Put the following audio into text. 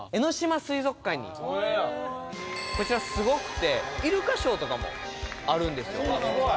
こちらすごくてイルカショーとかもあるんですよ。